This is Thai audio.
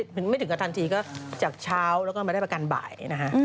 ไม่ถึงกับทันทีก็จากเช้าแล้วก็มาได้ประกันบ่ายนะฮะ